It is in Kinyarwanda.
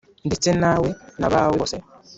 ndetse nawe nabawe bose